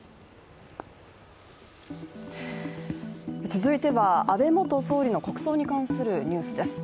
続いては安倍元総理の国葬に関するニュースです。